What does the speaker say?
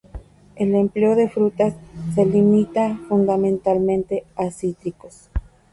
El empleo de frutas se limita fundamentalmente a cítricos.